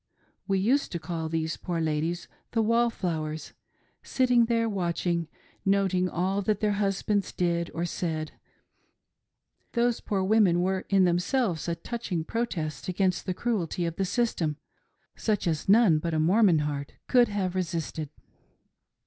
We used to call these poor ladies " the wall flowers." Sitting there watchful, noting all that their husbands did or said, those poor women were in themselves a touching protest against the cruelty of the system, such as none but a Mormon heart could have resisted.